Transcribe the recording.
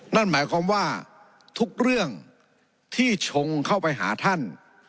นั่นหมายความว่าทุกเรื่องที่ชงเข้าไปหาท่าน